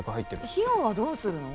費用はどうするの？